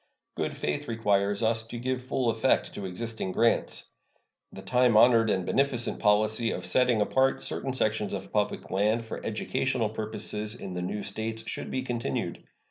Good faith requires us to give full effect to existing grants. The time honored and beneficent policy of setting apart certain sections of public land for educational purposes in the new States should be continued.